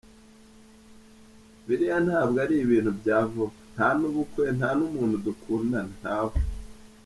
Biriya ntabwo ari ibintu bya vuba, nta n’ubukwe, nta n’umuntu dukundana, ntawe.